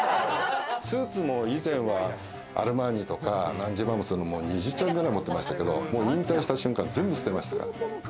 スーツも以前はアルマーニとか３０万もするもの２０着くらい持ってましたけど、引退した瞬間、全部捨てました。